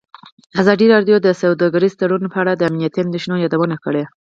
ازادي راډیو د سوداګریز تړونونه په اړه د امنیتي اندېښنو یادونه کړې.